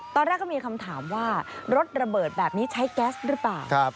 ตอนแรกก็มีคำถามว่ารถระเบิดแบบนี้ใช้แก๊สหรือเปล่า